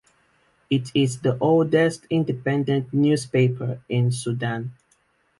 It is the oldest independent newspaper in Sudan.